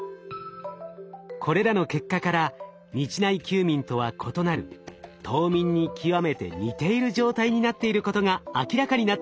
これらの結果から日内休眠とは異なる冬眠に極めて似ている状態になっていることが明らかになったのです。